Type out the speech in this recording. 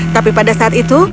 tapi pada saat itu